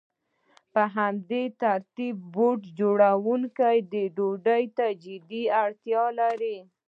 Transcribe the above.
په همدې ترتیب بوټ جوړونکی ډوډۍ ته جدي اړتیا لري